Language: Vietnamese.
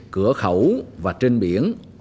cửa khẩu và trên biển